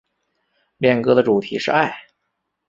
恋歌的主题是爱。